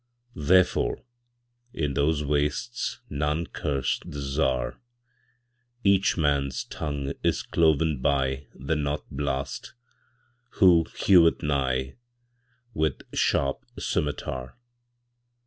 Therefore, in those wastesNone curse the Czar.Each man's tongue is cloven byThe North Blast, who heweth nighWith sharp scymitar.